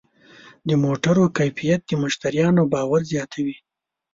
د موټرو کیفیت د مشتریانو باور زیاتوي.